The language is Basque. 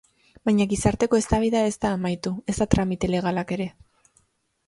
Baina gizarteko eztabaida ez da amaitu, ezta tramite legalak ere.